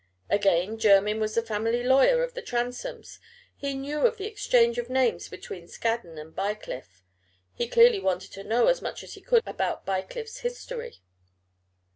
Again, Jermyn was the family lawyer of the Transomes; he knew of the exchange of names between Scaddon and Bycliffe; he clearly wanted to know as much as he could about Bycliffe's history.